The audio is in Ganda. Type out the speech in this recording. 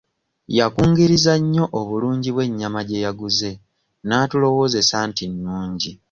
Yakungirizza nnyo obulungi bw'ennyama gye yaguze n'atulowoozesa nti nnungi.